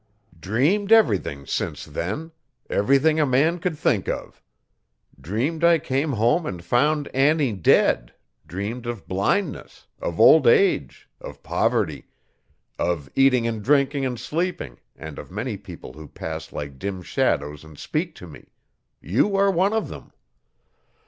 Dreamed everything since then everything a man could think of. Dreamed I came home and found Annie dead, dreamed of blindness, of old age, of poverty, of eating and drinking and sleeping and of many people who pass like dim shadows and speak to me you are one of them.